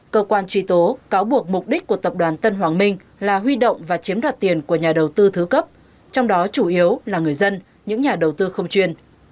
cơ quan truy tố cáo buộc mục đích của tập đoàn tân hoàng minh là huy động và chiếm đoạt tiền của nhà đầu tư thứ cấp trong đó chủ yếu là người dân những nhà đầu tư không chuyên